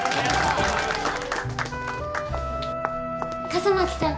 笠巻さん！